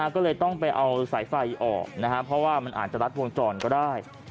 ก็เลยต้องไปเอาสายไฟออกนะครับเพราะว่ามันอาจจะรัดวงจรก็ได้